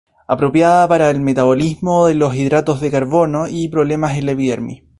Apropiada para el metabolismo de los hidratos de carbono y problemas en la epidermis.